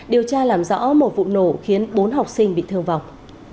điều tra làm rõ một vụ nổ khiến bốn học sinh bị thương vọng